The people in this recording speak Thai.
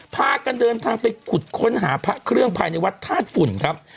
พากันเดินทางไปขุดค้นหาพระเครื่องภายในวัดธาตุฝุ่นครับ